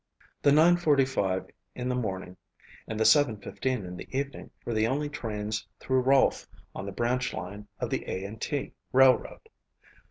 The nine forty five in the morning and the seven fifteen in the evening were the only trains through Rolfe on the branch line of the A. and T. railroad.